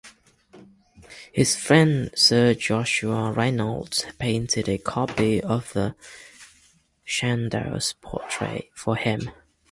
His friend Sir Joshua Reynolds painted a copy of the Chandos Portrait for him.